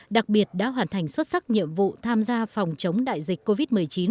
đặc biệt đã hoàn thành xuất sắc nhiệm vụ tham gia phòng chống đại dịch covid một mươi chín